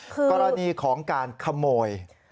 กรณีของการขโมย